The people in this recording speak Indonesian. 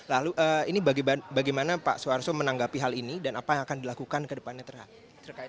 lalu ini bagaimana pak soeharto menanggapi hal ini dan apa yang akan dilakukan ke depannya